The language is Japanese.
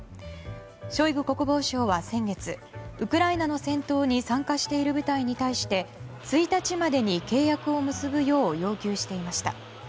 ショイグ国防相は先月ウクライナの戦闘に参加している部隊に対して１日までに契約を結ぶよう要求していました。